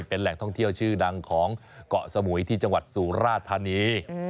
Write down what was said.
เป็นแหล่งท่องเที่ยวชื่อดังของเกาะสมุยที่จังหวัดสุราธานี